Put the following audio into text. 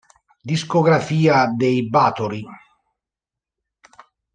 Discografia dei Bathory